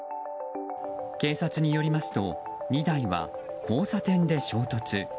警察によりますと２台は交差点で衝突。